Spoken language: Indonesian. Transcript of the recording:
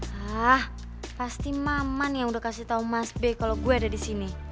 hah pasti maman yang udah kasih tau mas b kalau gue ada di sini